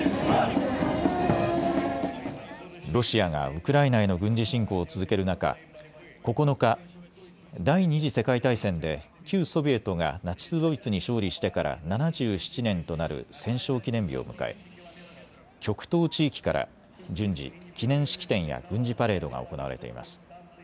ロシアがウクライナへの軍事侵攻を続ける中、９日、第２次世界大戦で旧ソビエトがナチス・ドイツに勝利してから７７年となる戦勝記念日を迎え極東地域から順次、記念式典や軍事パレードが行われています。